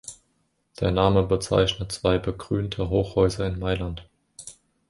Der Name bezeichnet zwei begrünte Hochhäuser in Mailand.